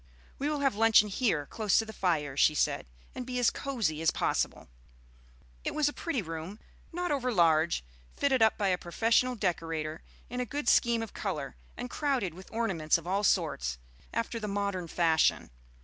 "We will have luncheon here close to the fire," she said, "and be as cosey as possible." It was a pretty room, not over large, fitted up by a professional decorator in a good scheme of color, and crowded with ornaments of all sorts, after the modern fashion.